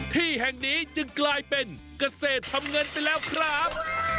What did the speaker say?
ที่แห่งนี้จึงกลายเป็นเกษตรทำเงินไปแล้วครับ